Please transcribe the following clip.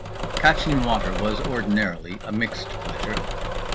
"Catching water" was ordinarily a mixed pleasure.